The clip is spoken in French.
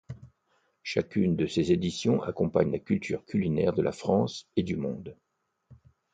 Chacune de ses éditions accompagnent la culture culinaire de la France et du monde.